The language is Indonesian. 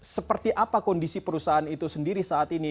seperti apa kondisi perusahaan itu sendiri saat ini